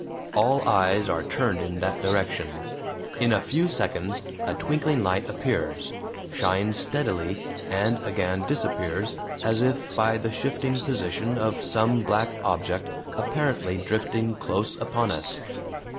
All eyes are turned in that direction. In a few seconds a twinkling light appears, shines steadily, and again disappears as if by the shifting position of some black object apparently drifting close upon us.